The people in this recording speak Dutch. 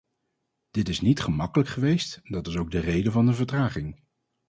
Dit is niet gemakkelijk geweest en dat is ook de reden van de vertraging.